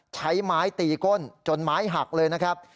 ใช้ไม้ตีก้นจนไม้หักเลยนะครับ